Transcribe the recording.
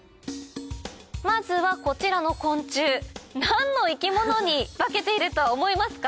まずはこちらの昆虫何の生き物に化けていると思いますか？